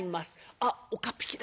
「あっ岡っ引きだ。